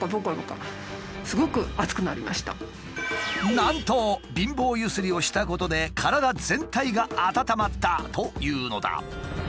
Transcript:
なんと貧乏ゆすりをしたことで体全体が温まったというのだ。